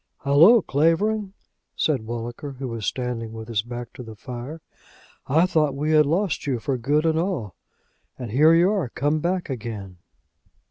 "Halloa, Clavering," said Walliker, who was standing with his back to the fire, "I thought we had lost you for good and all. And here you are come back again!"